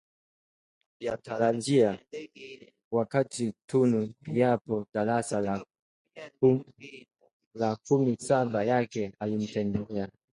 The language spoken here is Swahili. ya kutarajia wakati Tunu yupo darasa la kumi baba yake alimtembelea